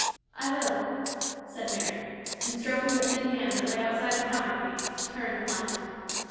"I will," said Mary, and, stroking the thin hand that lay outside the counterpane, turned and left him.